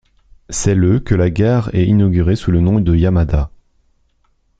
C'est le que la gare est inaugurée sous le nom de Yamada.